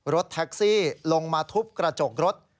รถแท็กซี่ลงมาทุบกระจกรถ